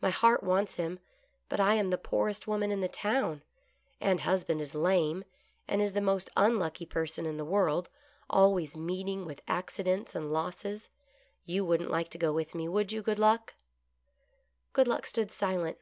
My heart wants him, but I am the poorest woman in the town, and husband is lame, and is the most unlucky person in the world, always meeting with accidents and losses. You wouldn't like to go with me, would you. Good Luck }" Good Luck stood silent.